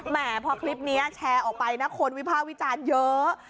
แหมพอคลิปนี้แชร์ออกไปนะคนวิภาควิจารณ์เยอะ